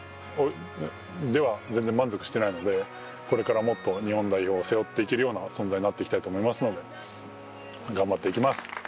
これからもっと日本代表を背負っていけるような存在になっていきたいと思いますので頑張っていきます。